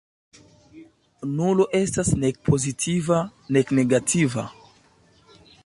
Nulo estas nek pozitiva nek negativa.